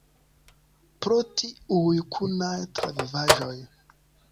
Pro tiuj kunaj travivaĵoj.